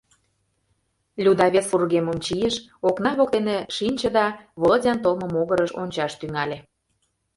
Люда вес вургемым чийыш, окна воктене шинче да Володян толмо могырыш ончаш тӱҥале.